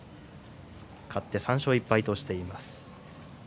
勝って３勝１敗としています。